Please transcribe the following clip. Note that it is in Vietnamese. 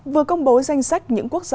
vừa công bố danh sách những quốc gia